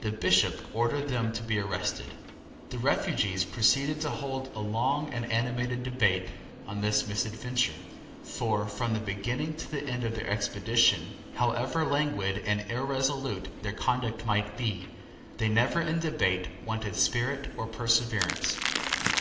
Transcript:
The Bishop ordered them to be arrested. The refugees proceeded to hold a long and animated debate on this misadventure: for, from the beginning to the end of their expedition, however languid and irresolute their conduct might be, they never in debate wanted spirit or perseverance.